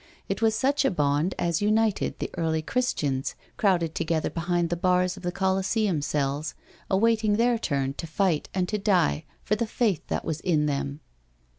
It was such a bond as united the early Chris tians crowded together behind the bars of the Coliseum cells awaiting their turn to fight and to die for the faith that was in them.